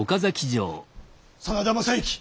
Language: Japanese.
真田昌幸